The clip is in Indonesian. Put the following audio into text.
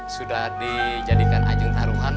sudah dijadikan ajeng taruhan